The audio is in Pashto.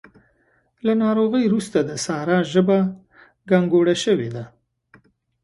له ناروغۍ روسته د سارا ژبه ګانګوړه شوې ده.